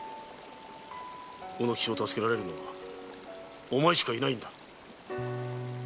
卯之吉を助けられるのはお前しかいないんだ。